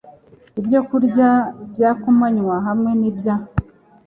Ibyokurya bya kumanywa hamwe n’ibya